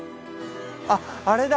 あっあれだ！